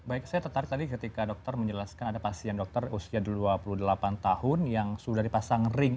baik saya tertarik tadi ketika dokter menjelaskan ada pasien dokter usia dua puluh delapan tahun yang sudah dipasang ring